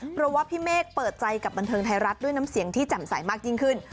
เพราะว่าพี่เมฆเปิดใจกับบันเทิงไทยรัฐด้วยน้ำเสียงที่แจ่มใสมากยิ่งขึ้น